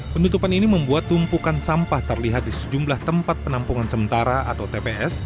penutupan ini membuat tumpukan sampah terlihat di sejumlah tempat penampungan sementara atau tps